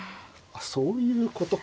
そういうことか。